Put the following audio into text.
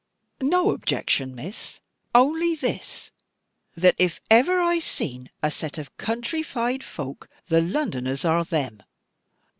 "No objection, Miss, only this, that if ever I seen a set of countrified folk, the Londoners are them.